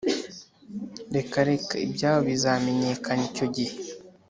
Reka reka ibyabo bizamenyekana icyo gihe